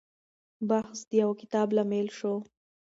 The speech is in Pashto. بحث د يو کتاب لامل شو.